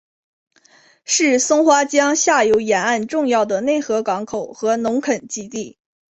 是松花江下游沿岸重要的内河港口和农垦基地。